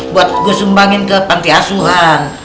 buat gue sumbangin ke panti asuhan